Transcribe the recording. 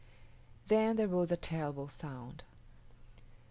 Then there rose a terrible sound.